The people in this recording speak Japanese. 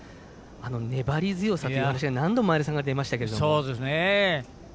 粘り強さという話何度も前田さんから出ましたが。